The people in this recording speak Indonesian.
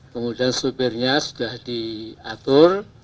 kemudian supirnya sudah diatur